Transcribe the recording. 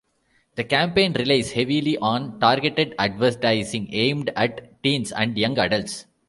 The campaign relies heavily on targeted advertising aimed at teens and young adults.